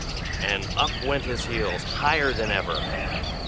_" and up went his heels, higher than ever.